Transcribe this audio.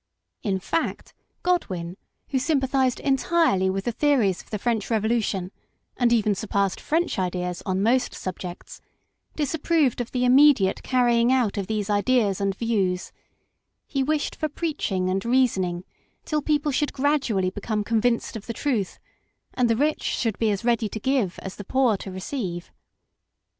In fact Godwin, who sympathised entirely with the theories of the French Revolution, and even surpassed French ideas on most subjects, disapproved of the immediate carrying out of these ideas and views ; he wished for preaching and reasoning till people should gradually become convinced of the truth, and the rich should be as ready to give as the poor to receive.